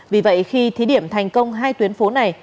vì vậy khi thí điểm thành công hai tuyến phố này